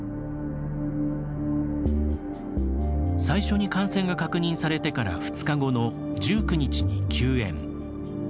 最初に感染が確認されてから２日後の１９日に休園。